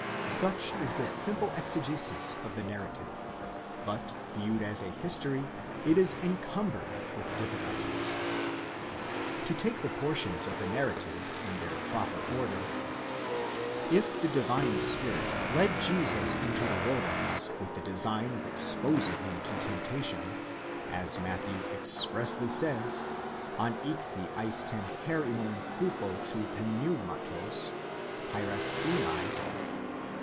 Such is the simple exegesis. of the narrative, but viewed as a history it is encumbered with difficulties. To take the portions of the narrative in their proper order: if the Divine Spirit led Jesus into the wilderness with the design of exposing him to tempta tion, as Matthew expressly says, ἀνήχθη εἰς τὴν ἔρημον ὑπὸ τοῦ Πνεύματος, πειρασθῆναι (iv.